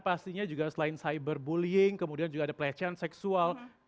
pastinya juga selain cyberbullying kemudian juga ada pelecehan seksual